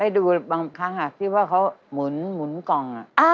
ได้ดูบางครั้งคิดว่าเขามุนกอง